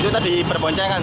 itu tadi berboncengan ya